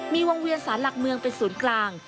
มีวงเวียนสารหลักเมืองเป็นศูนย์กลาง